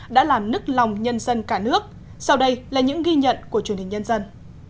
đã làm nức lòng nhân dân cả nước sau đây là những ghi nhận của truyền hình nhân dân